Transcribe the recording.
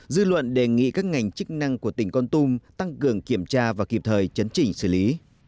dư luận đề nghị các ngành chức năng của tỉnh con tum tăng cường kiểm tra và kịp thời chấn chỉnh xử lý